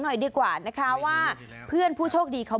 หน่อยดีกว่านะคะว่าเพื่อนผู้โชคดีเขา